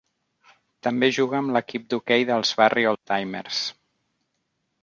També juga amb l'equip d'hoquei dels Barrie Oldtimers.